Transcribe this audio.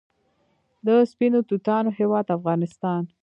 د سپینو توتانو هیواد افغانستان.